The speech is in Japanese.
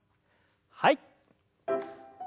はい。